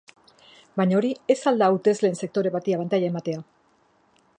Baina, hori ez al da hautesleen sektore bati abantaila ematea?